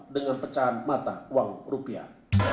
dengan pecahan mata uang rupiah